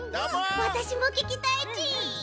わたしもききたいち！